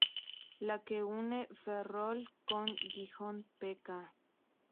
La que une Ferrol con Gijón, pk.